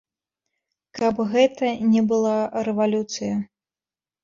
Каб гэта не была рэвалюцыя.